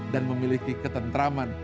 dan memiliki ketentraman